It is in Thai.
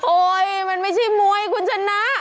โอ้ยมันไม่ใช่มวยคุณฉะนั้น